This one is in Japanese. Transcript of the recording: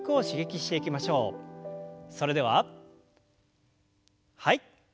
それでははい。